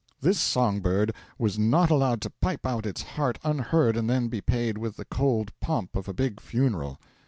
This song bird was not allowed to pipe out its heart unheard and then be paid with the cold pomp of a big funeral.